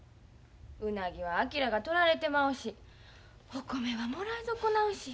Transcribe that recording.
ウナギは昭が取られてまうしお米はもらい損なうし。